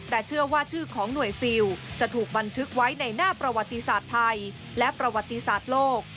แต่เชื่อว่าชื่อของหน่วยซิลจะถูกบันทึกไว้ในหน้าประวัติศาสตร์ไทยและประวัติศาสตร์โลก